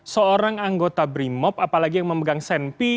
seorang anggota brimop apalagi yang memegang senpi